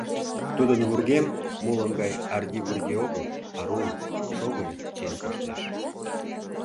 Тудын вургем молын гай арди-вурди огыл, арун, шогыльын чиен коштеш.